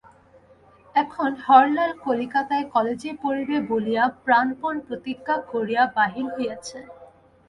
এখন হরলাল কলিকাতায় কলেজে পড়িবে বলিয়া প্রাণপণ প্রতিজ্ঞা করিয়া বাহির হইয়াছে।